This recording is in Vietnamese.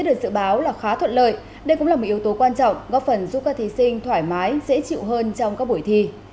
đây cũng là một yếu tố quan trọng góp phần giúp các thí sinh thoải mái dễ chịu hơn trong các buổi thi